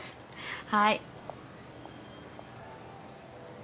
・はい。